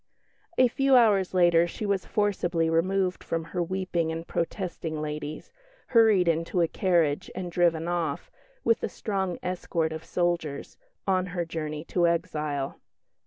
A few hours later she was forcibly removed from her weeping and protesting ladies, hurried into a carriage, and driven off, with a strong escort of soldiers, on her journey to exile.